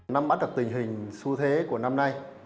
năm mắt được tình hình xu thế của năm nay